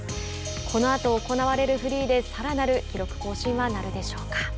このあと行われるフリーでさらなる記録更新はなるでしょうか。